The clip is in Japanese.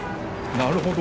なるほど。